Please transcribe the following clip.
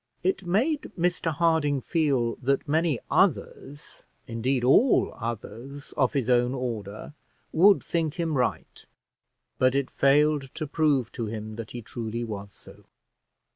It made Mr Harding feel that many others, indeed, all others of his own order, would think him right; but it failed to prove to him that he truly was so.